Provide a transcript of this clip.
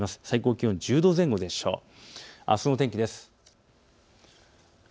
最高気温１０度前後でしょう。